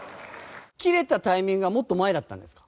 切れたタイミングはもっと前だったんですか？